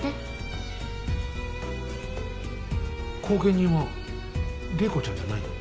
後見人は麗子ちゃんじゃないの？